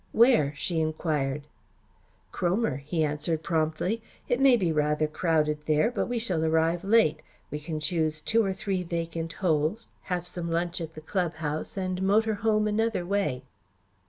"Where?" she enquired. "Cromer," he answered promptly. "It may be rather crowded there but we shall arrive late. We can choose two or three vacant holes, have some lunch at the club house and motor home another way."